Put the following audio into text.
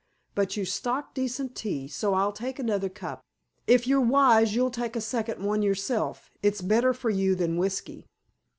But you stock decent tea, so I'll take another cup. If you're wise, you'll take a second one yourself. It's better for you than whiskey."